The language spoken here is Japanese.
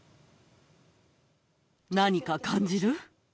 何か感じる？